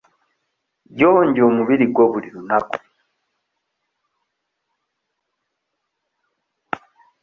Yonja omubiri gwo buli lunaku.